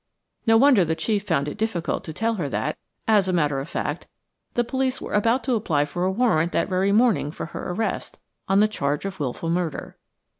No wonder the chief found it difficult to tell her that, as a matter of fact, the police were about to apply for a warrant that very morning for her arrest on a charge of wilful murder